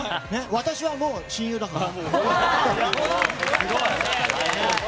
私は、もう親友だから。